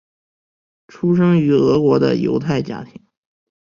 出生于俄国的犹太家庭。